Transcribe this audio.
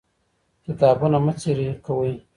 کتابونه مه څيرې کوئ.